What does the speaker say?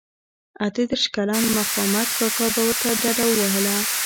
اته دیرش کلن مخامد کاکا به ورته ډډه وهله.